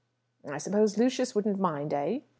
"I suppose Lucius wouldn't mind, eh?"